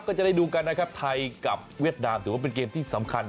ก็จะได้ดูกันนะครับไทยกับเวียดนามถือว่าเป็นเกมที่สำคัญ